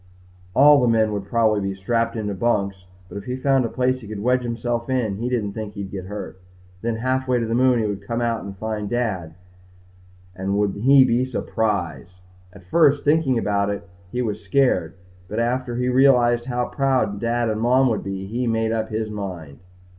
All the men would probably be strapped in bunks but if he found a place he could wedge himself in he didn't think he'd get hurt. Then, halfway to the moon he would come out and find Dad and would he be surprised! At first, thinking about it, he'd been scared but after he realized how proud Dad and Mom would be, he made up his mind.